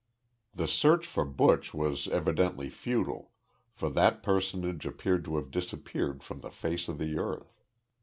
The search for Buch was evidently futile, for that personage appeared to have disappeared from the face of the earth.